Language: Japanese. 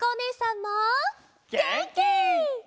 げんき！